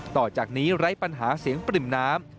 ต่อจากนี้ไร้ปัญหาเสียงปริ่มน้ำ